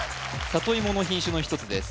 里芋の品種の一つです